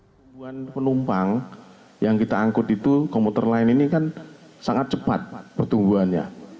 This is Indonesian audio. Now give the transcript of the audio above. pertumbuhan penumpang yang kita angkut itu komuter lain ini kan sangat cepat pertumbuhannya